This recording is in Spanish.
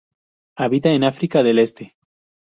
Habita en África del Este.